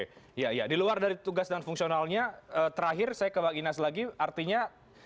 iya iya di luar dari tugas dan fungsionalnya terakhir saya ke bang inas lagi artinya